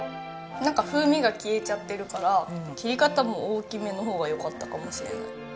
なんか風味が消えちゃってるから切り方も大きめの方がよかったかもしれない。